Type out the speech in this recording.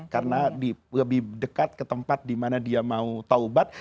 karena lebih dekat ke tempat dimana dia mau taubat